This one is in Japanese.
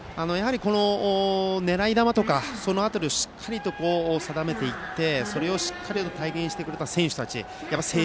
狙い球とか、その辺りをしっかりと定めていって、それをしっかり体現してくれた選手たち。